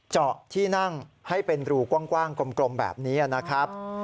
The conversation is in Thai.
เจาะที่นั่งให้เป็นรูกว้างกลมแบบนี้นะครับ